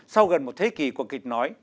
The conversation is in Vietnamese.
sau gần một thế kỷ của kịch nói